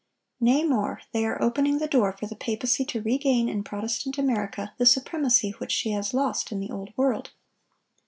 Nay, more, they are opening the door for the papacy to regain in Protestant America the supremacy which she has lost in the Old World.